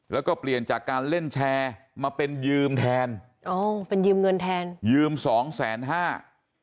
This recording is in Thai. แล้วก็เปลี่ยนจากการเล่นแชร์มาเป็นยืมแทนยืม๒๕๐๐๐๐๐บาท